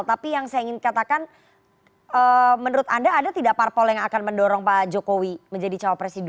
tapi yang saya ingin katakan menurut anda ada tidak parpol yang akan mendorong pak jokowi menjadi cawapres di dua ribu empat